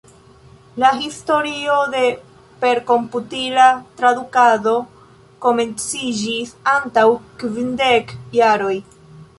La historio de perkomputila tradukado komenciĝis antaŭ kvindek jaroj.